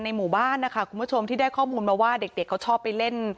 หมู่บ้านนะคะคุณผู้ชมที่ได้ข้อมูลมาว่าเด็กเขาชอบไปเล่น